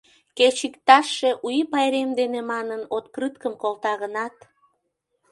Кеч иктажше, У ий пайрем дене манын, открыткым колта гынат...